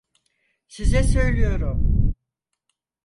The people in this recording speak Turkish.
Size söylüyorum!